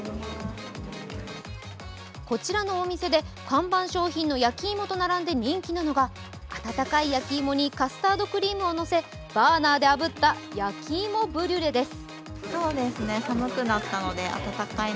こちらのお店で看板商品の焼き芋と並んで人気なのが温かい焼き芋にカスタードクリームをのせバーナーであぶった焼き芋ブリュレです。